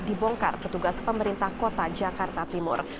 dibongkar petugas pemerintah kota jakarta timur